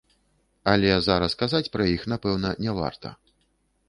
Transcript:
Але зараз казаць пра іх, напэўна, не варта.